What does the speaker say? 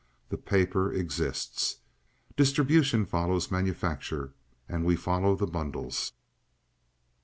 The paper exists. Distribution follows manufacture, and we follow the bundles.